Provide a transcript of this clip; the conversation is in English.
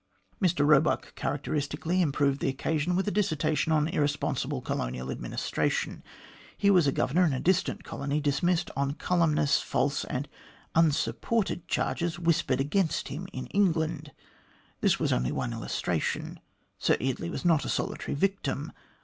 Mr Eoebuck characteristically improved the occasion with a dissertation on irresponsible colonial administration. Here was a Governor in a distant colony dismissed on calumnious, false, and unsupported charges, whispered against him in England. That was only one illus tration. Sir Eardley was not a solitary victim.